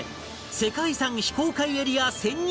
世界遺産非公開エリア潜入